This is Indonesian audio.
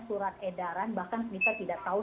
surat edaran bahkan kita tidak tahu